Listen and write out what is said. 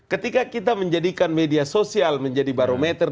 ketika kita menjadikan media sosial menjadi barometer